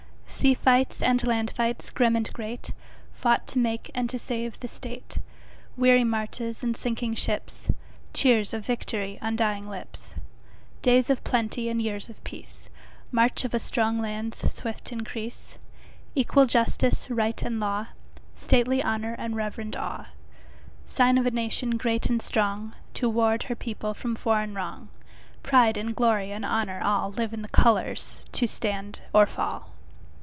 Sea fights and land fights, grim and great, Fought to make and to save the State:Weary marches and sinking ships; Cheers of victory on dying lips; Days of plenty and years of peace; March of a strong land's swift increase; Equal justice, right and law, Stately honor and reverend awe; Sign of a nation, great and strongTo ward her people from foreign wrong:Pride and glory and honor,—allLive in the colors to stand or fall.